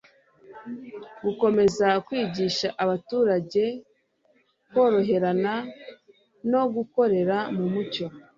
gukomeza kwigisha abaturage koroherana no gukorera mu mucyo